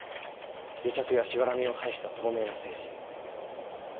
癒着やしがらみを排した透明な政治。